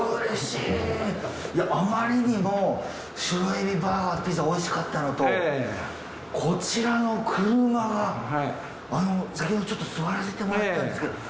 いやあまりにも白えびバーガーピザおいしかったのとこちらの車があの先ほどちょっと座らせてもらったんですけど。